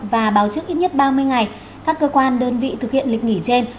và báo trước ít nhất ba mươi ngày các cơ quan đơn vị thực hiện lịch nghỉ trên